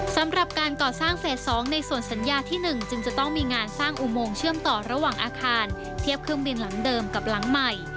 สำหรับการก่อสร้างเฟส๒ในส่วนสัญญาที่๑จึงจะต้องมีงานสร้างอุโมงเชื่อมต่อระหว่างอาคารเทียบเครื่องบินหลังเดิมกับหลังใหม่